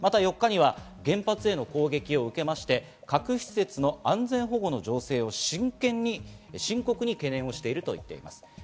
４日には原発への攻撃を受けまして核施設の安全保護の情勢を真剣に、深刻に懸念していると言っています。